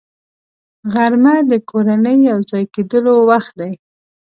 غرمه د کورنۍ یو ځای کېدلو وخت دی